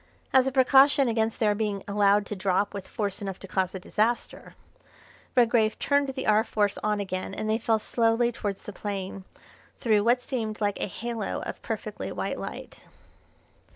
As a precaution against their being allowed to drop with force enough to cause a disaster, Redgrave turned the R. Force on again and they fell slowly towards the plain, through what seemed like a halo of perfectly white light.